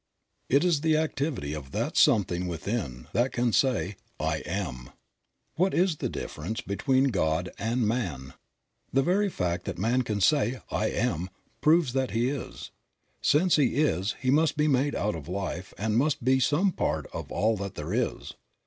It is the activity of that something within that can say, '"I Am." What is the difference between God and man? The very fact that man can say, "I Am," proves that he is. Since he is he must be made out of life and must be some part of all that there is.